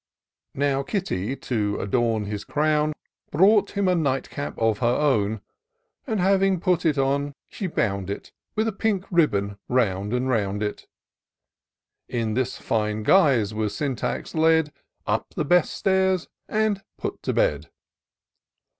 Now Kitty, to adorn his crown, Brought him a night cap of her own ; IN SEARCH OF THE PICTURESOUE. 69 And, having put it on, she bound it With a pink ribbon round and round it, In this fine guise was Syntax led Up the best stairs, and put to bed.